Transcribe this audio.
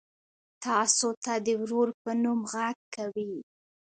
تاسو ته د ورور په نوم غږ کوي.